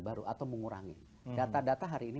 baru atau mengurangi data data hari ini